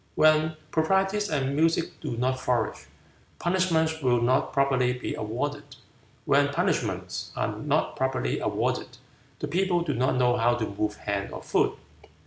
When proprieties and music do not flourish, punishments will not properly be awarded. When punishments are not properly awarded, the people do not know how to move hand or foot.